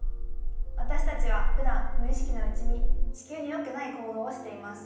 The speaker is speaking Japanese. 私たちはふだん無意識のうちに地球によくない行動をしています。